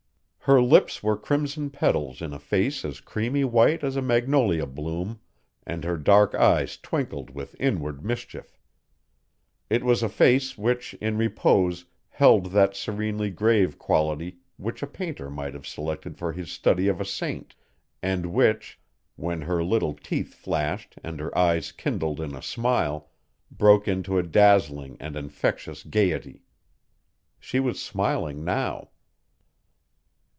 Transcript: Her lips were crimson petals in a face as creamy white as a magnolia bloom, and her dark eyes twinkled with inward mischief. It was a face which in repose held that serenely grave quality which a painter might have selected for his study of a saint and which, when her little teeth flashed and her eyes kindled in a smile, broke into a dazzling and infectious gayety. She was smiling now.